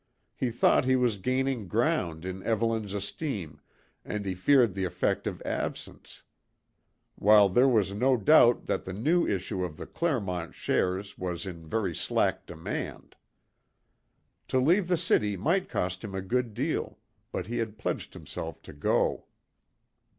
He thought he was gaining ground in Evelyn's esteem, and he feared the effect of absence; while there was no doubt that the new issue of the Clermont shares was in very slack demand. To leave the city might cost him a good deal, but he had pledged himself to go.